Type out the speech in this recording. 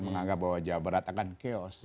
menganggap bahwa jawa barat akan chaos